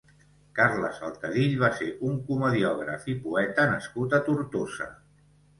Carles Altadill va ser un comediògraf i poeta nascut a Tortosa.